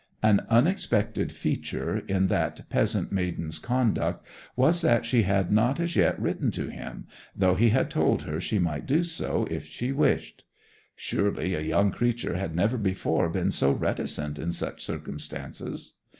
An unexpected feature in that peasant maiden's conduct was that she had not as yet written to him, though he had told her she might do so if she wished. Surely a young creature had never before been so reticent in such circumstances.